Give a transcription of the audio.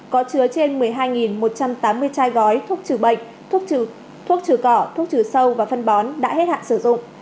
có chứa trên một mươi hai một trăm tám mươi chai gói thuốc trừ bệnh thuốc trừ cỏ thuốc trừ sâu và phân bón đã hết hạn sử dụng